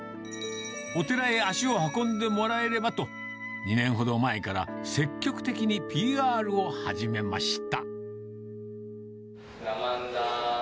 お寺へ足を運んでもらえればと、２年ほど前から積極的にＰＲを始めました。